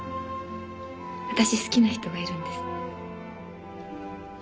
私好きな人がいるんです。